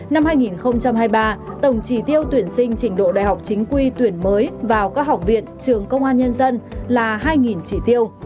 năm hai nghìn hai mươi ba tổng trí tiêu tuyển sinh trình độ đại học chính quy tuyển mới vào các học viện trường công an nhân dân là hai chỉ tiêu